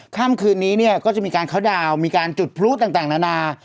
ค่ำคืนนี้เนี่ยก็จะมีการเข้าดาวน์มีการจุดพลุต่างนานา